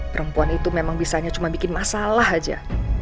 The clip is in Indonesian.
perempuan itu memang bisanya cuma bikin masalah aja